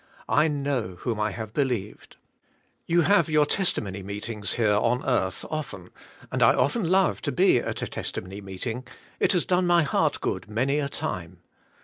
I know whom I have believed." You have your testimony meetings here on earth, often and I often love to be at a testimony meeting", it has done my heart g ood many a time.